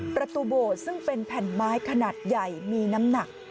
ประตูโบสถ์ซึ่งเป็นแผ่นไม้ขนาดใหญ่มีน้ำหนัก